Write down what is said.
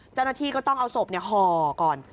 เจ้าหน้าที่ก็ต้องเอาศพห่อก่อน